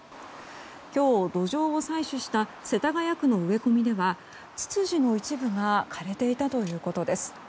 今日、土壌を採取した世田谷区の植え込みではツツジの一部が枯れていたということです。